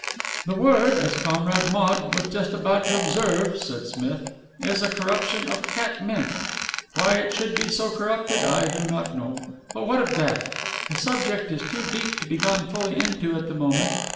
"The word, as Comrade Maude was just about to observe," said Smith, "is a corruption of catmint. Why it should be so corrupted I do not know. But what of that? The subject is too deep to be gone fully into at the moment.